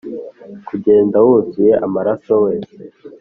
kugenda wuzuye amaraso wese